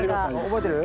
覚えてる？